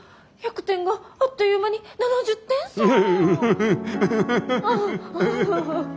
１００点があっという間に７０点さー。